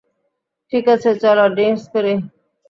ঠিক আছে, চলো ড্রিংকস করি।